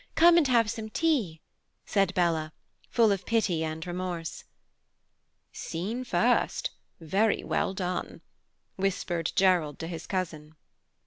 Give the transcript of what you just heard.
Come and have some tea," said Bella, full of pity and remorse. "Scene first, very well done," whispered Gerald to his cousin.